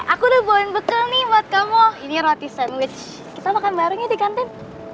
aku udah boin bekal nih buat kamu ini roti sandwich kita makan barengnya di kantin